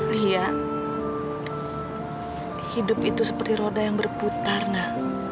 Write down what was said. lia hidup itu seperti roda yang berputar nak